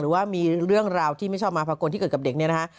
หรือว่ามีเรื่องราวที่ไม่ชอบมาพากลที่เกิดกับเด็กเนี่ยนะฮะ